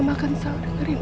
mama akan selalu dengerin alma